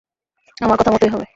আমার কথা মতোই হবে।